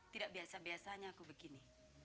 tidak biasa biasanya aku begini